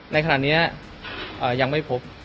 ในขณะนี้ยังไม่พบ